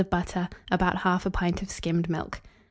of butter, about 1/2 pint of skimmed milk.